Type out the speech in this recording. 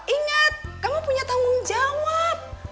ingat kamu punya tanggung jawab